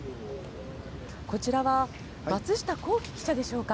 こちらは松下洸葵記者でしょうか。